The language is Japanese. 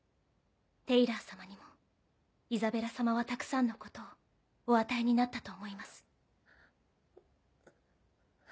テイラー様にもイザベラ様はたくさんのことをお与えになったと思います。